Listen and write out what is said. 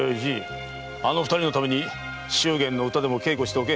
あの二人のために祝言の唄でも稽古しておけ。